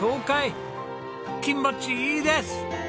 気持ちいいです！